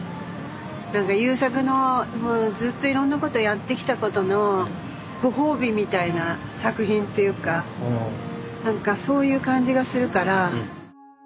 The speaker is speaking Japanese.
何か優作のずっといろんなことやってきたことのご褒美みたいな作品っていうか何かそういう感じがするから。